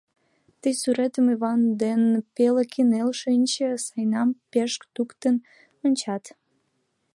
Ты сӱретым Йыван ден пеле кынел шичше Сайнай пеш тӱткын ончат.